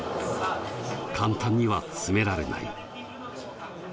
簡単には詰められない。